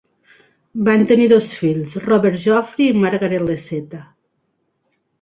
Van tenir dos fills, Robert Geoffrey i Margaret Lesetta.